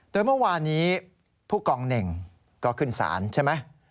โดยเมื่อวานนี้ผู้กองเหน่งก็ขึ้นศาลใช่ไหม